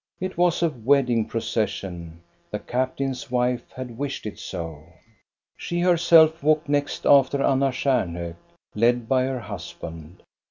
It was a wedding procession; the captain's wife had wished it so. She herself walked next after Anna Stjamhok, led by her husband.